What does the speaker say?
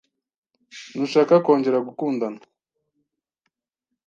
Ntushaka kongera gukundana?